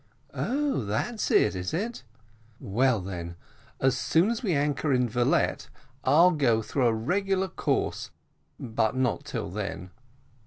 "Oh! that's it, is it? well then, as soon as we anchor in Valette, I'll go through a regular course, but not till then."